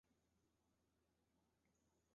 内乌人口变化图示